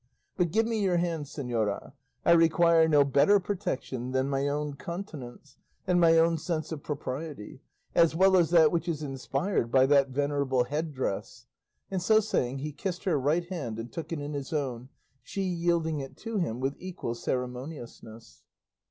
But give me your hand, señora; I require no better protection than my own continence, and my own sense of propriety; as well as that which is inspired by that venerable head dress;" and so saying he kissed her right hand and took it in his own, she yielding it to him with equal ceremoniousness.